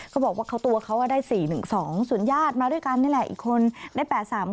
เขาบอกว่าตัวเขาได้๔๑๒ส่วนญาติมาด้วยกันนี่แหละอีกคนได้๘๓